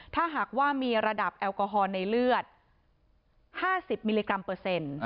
ถ้าหากว่ามีระดับแอลกอฮอล์ในเลือด๕๐มิลลิกรัมเปอร์เซ็นต์